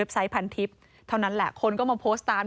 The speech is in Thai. ไซต์พันทิพย์เท่านั้นแหละคนก็มาโพสต์ตาม